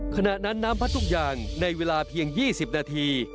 ขณะนั้นน้ำพัดทุกอย่างในเวลาเพียง๒๐นาที